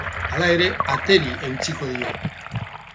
Hala ere, ateri eutsiko dio.